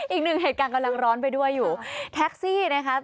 อีกหนึ่งเหตุการณ์กำลังร้อนไปด้วยอยู่แท็กซี่นะคะ